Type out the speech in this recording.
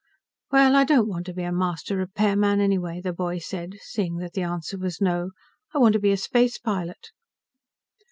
"Well, I don't want to be a Master Repairman anyway," the boy said, seeing that the answer was no. "I want to be a space pilot."